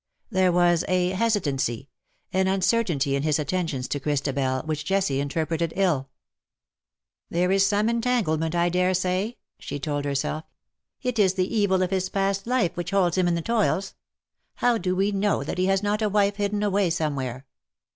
There was a hesitancy — an uncertainty in his attentions to Christabel which Jessie interpreted ill. '^ There is some entanglement, I daresay,'''' she told herself ; "it is the evil of his past life which holds him in the toils. How do we know that he has not a wife hidden away somewhere